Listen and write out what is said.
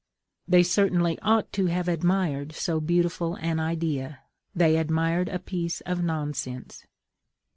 They certainly ought to have admired so beautiful an idea: they admired a piece of nonsense.